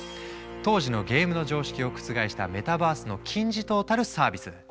当時のゲームの常識を覆したメタバースの金字塔たるサービス。